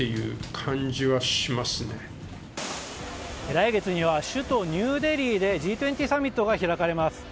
来月には首都ニューデリーでＧ２０サミットが開かれます。